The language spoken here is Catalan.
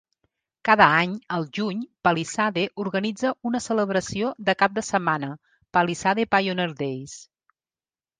Cada any, al juny, Palisade organitza una celebració de cap de setmana, "Palisade Pioneer Days".